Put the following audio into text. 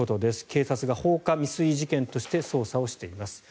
警察が放火未遂事件として捜査をしています。